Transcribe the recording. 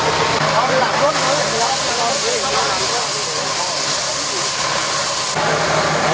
และอันดับสุดท้ายประเทศอเมริกา